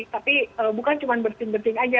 tapi bukan cuma bersin bersin aja